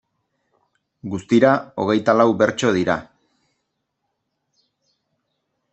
Guztira hogeita lau bertso dira.